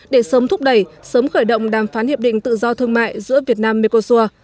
để sớm thúc đẩy sớm khởi động đàm phán hiệp định tự do thương mại giữa việt nam mekosur